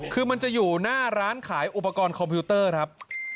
คือมันจะอยู่หน้าร้านขายอุปกรณ์คอมพิวเตอร์ครับ